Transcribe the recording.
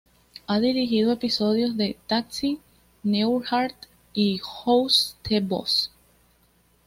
Ha dirigido episodios de "Taxi", "Newhart" y "Who’s the Boss?